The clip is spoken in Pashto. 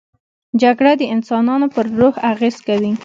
جګړه د انسانانو پر روح اغېز کوي